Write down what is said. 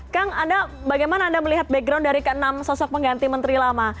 kang bagaimana anda melihat background dari ke enam sosok pengganti menteri lama